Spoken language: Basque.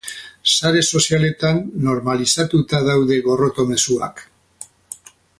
Sare sozialetan normalizatuta daude gorroto mezuak.